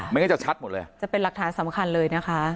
มันก็จะชัดหมดเลยจะเป็นหลักฐานสำคัญเลยนะคะ